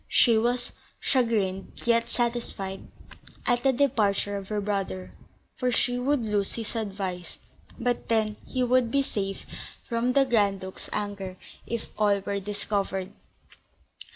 She was chagrined, yet satisfied, at the departure of her brother; for she would lose his advice, but then he would be safe from the Grand Duke's anger if all were discovered.